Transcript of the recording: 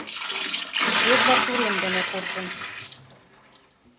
Эдвард урем дене куржын.